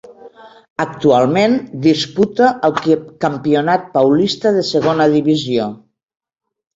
Actualment disputa el campionat paulista de segona divisió.